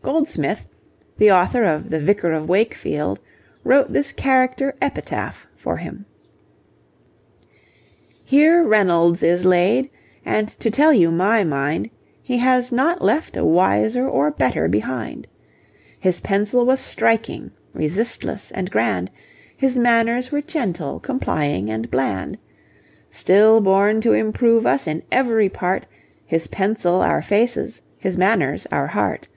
Goldsmith, the author of the Vicar of Wakefield, wrote this character 'epitaph' for him: Here Reynolds is laid, and to tell you my mind, He has not left a wiser or better behind. His pencil was striking, resistless and grand; His manners were gentle, complying and bland; Still born to improve us in every part, His pencil our faces, his manners our heart.